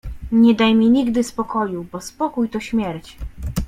Nie daj mi nigdy spokoju, bo spokój — to śmierć.